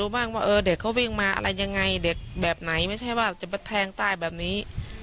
แบบไหนไม่ใช่ว่าจะแทงตายแบบนี้